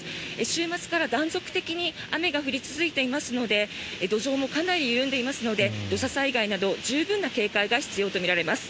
週末から断続的に雨が降り続いていますので土壌もかなり緩んでいますので土砂災害など十分な警戒が必要とみられます。